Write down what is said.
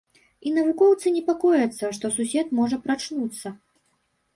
І навукоўцы непакояцца, што сусед можа прачнуцца.